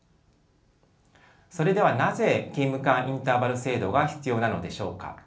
それではなぜ勤務間インターバル制度が必要なのでしょうか。